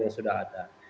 yang sudah ada